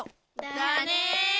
だね！